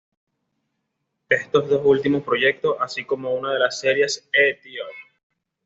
Estos dos últimos proyectos así como una de las series de "¡Eh, tío!